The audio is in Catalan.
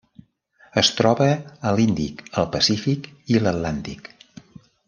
Es troba a l'Índic, el Pacífic i l'Atlàntic.